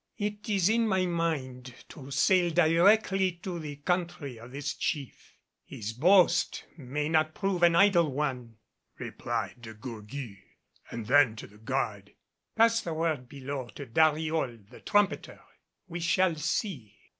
"It is in my mind to sail directly to the country of this chief; his boast may not prove an idle one," replied De Gourgues. And then to the guard, "Pass the word below to Dariol the trumpeter. We shall see."